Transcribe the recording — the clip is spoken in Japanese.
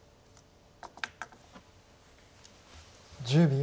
１０秒。